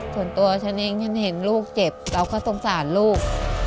ส่วนตัวฉันเองฉันเห็นลูกเจ็บเราก็สงสารลูก